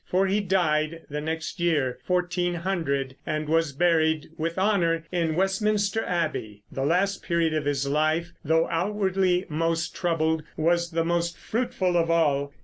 For he died the next year, 1400, and was buried with honor in Westminster Abbey. The last period of his life, though outwardly most troubled, was the most fruitful of all.